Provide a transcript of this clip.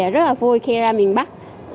rất là vui khi ra miền bắc